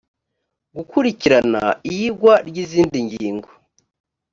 gukurikirana iyigwa ry izindi ngingo